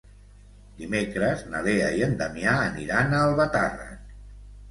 Dimecres na Lea i en Damià aniran a Albatàrrec.